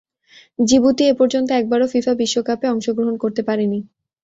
জিবুতি এপর্যন্ত একবারও ফিফা বিশ্বকাপে অংশগ্রহণ করতে পারেনি।